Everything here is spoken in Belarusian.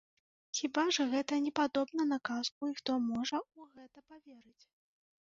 Хіба ж гэта не падобна на казку і хто можа ў гэта паверыць?